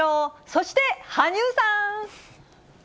そして、羽生さん。